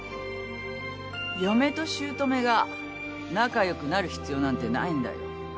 嫁と姑が仲良くなる必要なんてないんだよ。